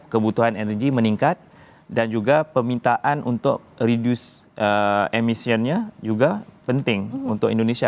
kebutuhan energi meningkat dan juga pemintaan untuk reduce emissionnya juga penting untuk indonesia